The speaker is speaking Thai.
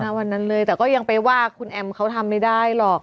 วันนั้นเลยแต่ก็ยังไปว่าคุณแอมเขาทำไม่ได้หรอก